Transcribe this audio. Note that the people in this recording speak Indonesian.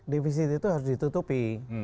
defisit itu harus ditutupi